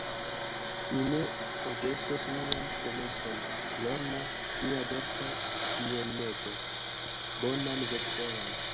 Mi ne forgesos mian promeson, Lorna, mia dolĉa sinjorineto; bonan vesperon.